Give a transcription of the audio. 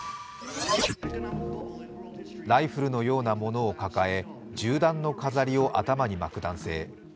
ライフルのようなものを抱え銃弾の飾りを頭に巻く男性。